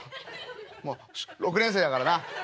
もう６年生だからな。